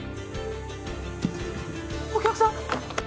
お客さん？